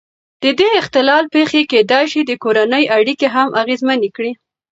د دې اختلال پېښې کېدای شي د کورنۍ اړیکې هم اغېزمنې کړي.